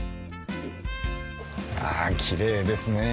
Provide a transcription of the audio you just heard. あキレイですね